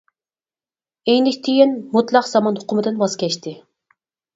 ئېينىشتىيىن مۇتلەق زامان ئۇقۇمىدىن ۋاز كەچتى.